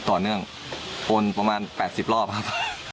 โอนประมาณ๘๐รอบครับ